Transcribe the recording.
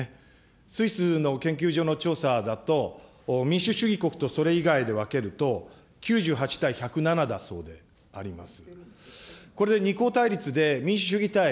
スイスの研究所の調査だと、民主主義国とそれ以外で分けると、９８対１０７だそうであります。